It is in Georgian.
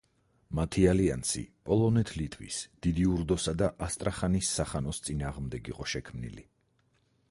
მათი ალიანსი პოლონეთ-ლიტვის, დიდი ურდოსა და ასტრახანის სახანოს წინააღმდეგ იყო შექმნილი.